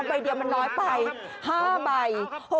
ใบเดียวมันน้อยไป๕ใบ